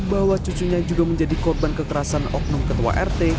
bahwa cucunya juga menjadi korban kekerasan oknum ketua rt